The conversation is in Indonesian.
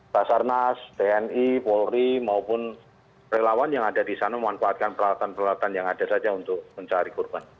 basarnas tni polri maupun relawan yang ada di sana memanfaatkan peralatan peralatan yang ada saja untuk mencari korban